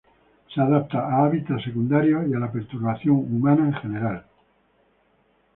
Se adapta a hábitat secundarios y a la perturbación humana en general.